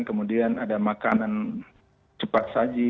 kemudian ada makanan cepat saji